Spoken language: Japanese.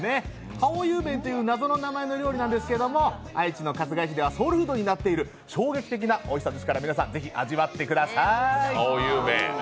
ハオユー麺という謎の名前の料理なんですけど愛知県の春日井市ではソウルフードになっている衝撃的なおいしさですから皆さん是非味わってください！